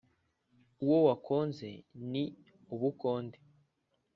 uwo wakonze ni ubukonde